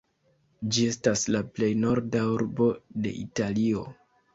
Ĝi estas la plej norda urbo de Italio.